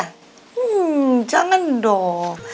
hmm jangan dong